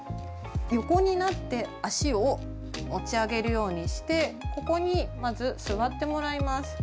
横になって足を持ち上げるようにしてここにまず座ってもらいます。